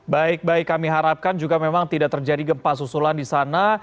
baik baik kami harapkan juga memang tidak terjadi gempa susulan di sana